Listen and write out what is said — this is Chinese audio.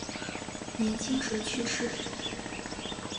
年轻时去世。